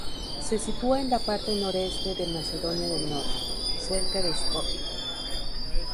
Se sitúa en la parte noreste de Macedonia del Norte, cerca de Skopie.